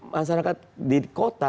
masyarakat di kota